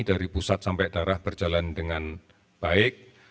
dari pusat sampai daerah berjalan dengan baik